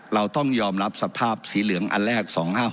เราต้องยอมรับสภาพสีเหลืองอันแรก๒๕๖